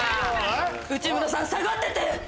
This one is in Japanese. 内村さん下がってて！